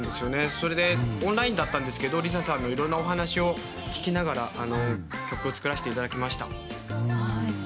それでオンラインだったんですけどＬｉＳＡさんのいろいろなお話を聞きながら曲を作らせていただきました。